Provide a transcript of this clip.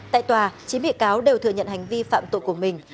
tại tòa chín bị cáo đều thừa nhận hành vi phạm tội của mình